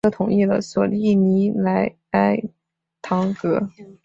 索利尼莱埃唐格。